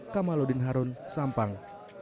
kamaludin harun sampang